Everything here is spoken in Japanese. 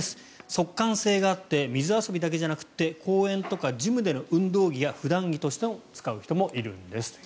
速乾性があって水遊びだけじゃなくて公園とかジムでの運動着や普段着として使う人もいるんですと。